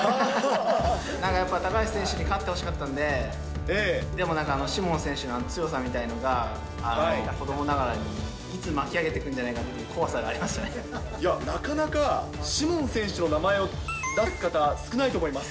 なんかやっぱり高橋選手に勝ってほしかったんで、でもなんか、シモン選手の強さが子どもながらに、いつ巻き上げてくるんじゃななかなかシモン選手の名前を出す方、少ないと思います。